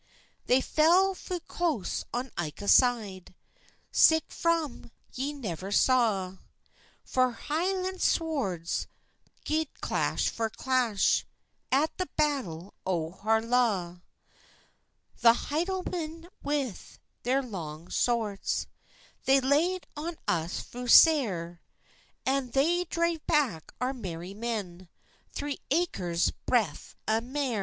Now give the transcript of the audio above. They fell fu close on ilka side, Sic fun ye never saw; For Hielan swords gied clash for clash, At the battle o Harlaw. The Hielanmen, wi their lang swords, They laid on us fu sair, An they drave back our merry men Three acres breadth an mair.